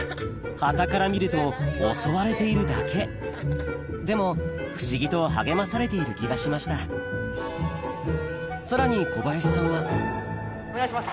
はたから見ると襲われているだけでも不思議と励まされている気がしましたさらに小林さんはお願いします